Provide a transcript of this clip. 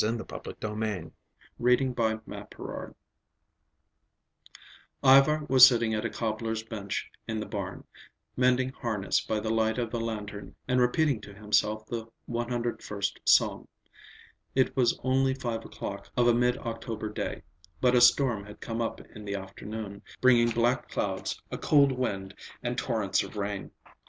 God have mercy upon us!" PART V. Alexandra I Ivar was sitting at a cobbler's bench in the barn, mending harness by the light of a lantern and repeating to himself the 101st Psalm. It was only five o'clock of a mid October day, but a storm had come up in the afternoon, bringing black clouds, a cold wind and torrents of rain.